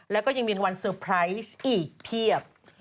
แล้วก็ยังมีวันเซอร์ไพรส์อีกเพียบ